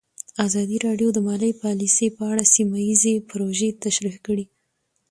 ازادي راډیو د مالي پالیسي په اړه سیمه ییزې پروژې تشریح کړې.